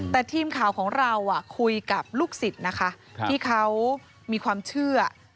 แต่ทีมข่าวของเราคุยกับลูกศิษย์นะคะที่เขามีความเชื่อ